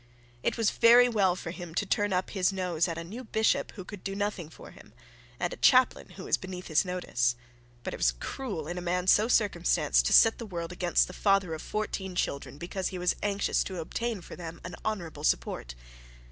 It was very well for him to turn up his nose at a new bishop who could do nothing for him, and a chaplain who was beneath his notice; but it was cruel in a man so circumstanced to set the world against the father of fourteen children because he was anxious to obtain for them an honourable support!